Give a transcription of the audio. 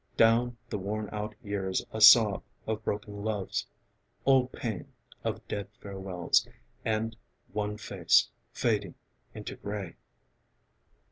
Down the worn out years a sob Of broken loves; old pain Of dead farewells; and one face Fading into grey....